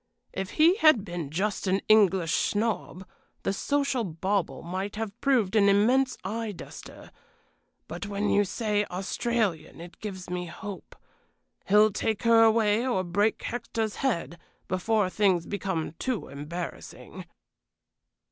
If he had been just an English snob, the social bauble might have proved an immense eye duster; but when you say Australian it gives me hope. He'll take her away, or break Hector's head, before things become too embarrassing."